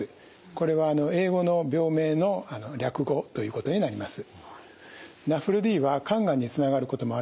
これは英語の病名の略語ということになります。